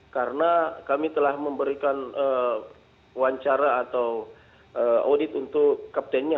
karena kami telah memberikan wancara atau audit untuk kaptennya